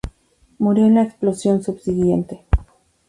Murió en la explosión subsiguiente.